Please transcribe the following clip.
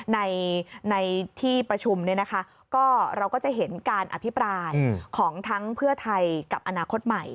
ในที่ประชุมเราก็จะเห็นการอภิปราณของทั้งเพื่อไทยกับอนาคตใหม่